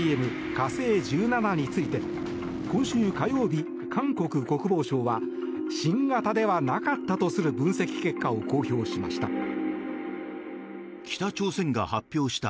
「火星１７」について今週火曜日、韓国国防省は新型ではなかったとする分析結果を公表しました。